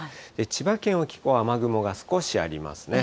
千葉県沖は雨雲が少しありますね。